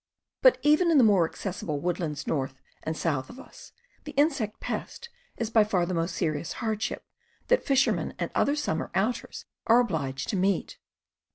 p . But even in the more accessible wood lands north and south of us the insect pest is by far the most serious hardship that fishermen and other summer outers are obliged to meet.